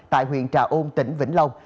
tại huyện trà ôn tỉnh vĩnh long